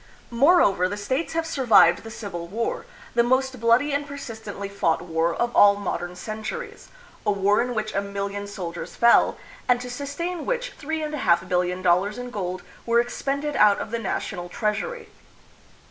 Moreover, the States have survived the AMERICA AND THE PHILIPPINES. 291 Civil War, the most bloody and persistently fought war of all modern centuries a war in which a million sol diers fell, and to sustain which three and a half billion dollars in gold were expended out of the national treasury.